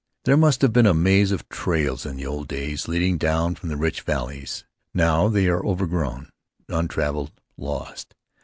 There must have been a maze of trails in the old days, leading down from the rich valleys. Now they are overgrown, untraveled, lost.